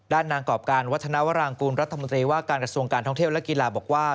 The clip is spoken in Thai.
นางกรอบการวัฒนาวรางกูลรัฐมนตรีว่าการกระทรวงการท่องเที่ยวและกีฬาบอกว่า